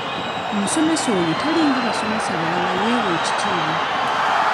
Omusomesa oyo talinga basomesa balala yeewa ekitiibwa.